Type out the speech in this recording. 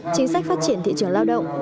chính sách phát triển thị trường lao động